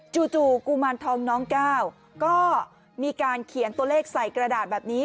จู่กุมารทองน้องก้าวก็มีการเขียนตัวเลขใส่กระดาษแบบนี้